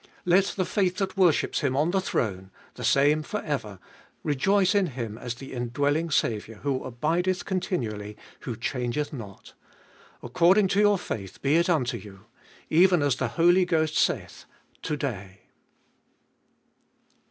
Let the faith that worships Him on the throne, the same for ever, rejoice in Him as the indwelling Saviour, who abideth continu ally, who changeth not. According to your faith be it unto you. Even as the Holy Ghost saith, To day